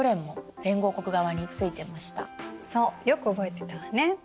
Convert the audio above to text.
そうよく覚えてたわね。